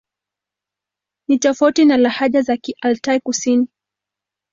Ni tofauti na lahaja za Kialtai-Kusini.